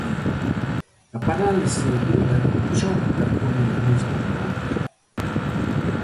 A parálise dunha choca co dinamismo da outra.